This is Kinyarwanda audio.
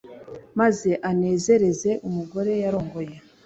maze anezereze umugore yarongoye.